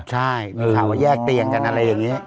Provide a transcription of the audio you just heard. ใช่มีข่าวว่าแยกเตียงกันอะไรอย่างนี้